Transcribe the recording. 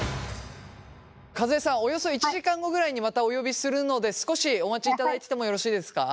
和江さんおよそ１時間後くらいにまたお呼びするので少しお待ちいただいててもよろしいですか？